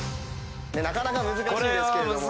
なかなか難しいですけれども。